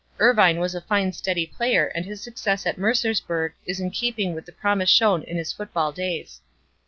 "Irvine was a fine steady player and his success at Mercersburg is in keeping with the promise shown in his football days.